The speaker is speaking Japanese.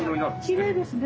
きれいですね。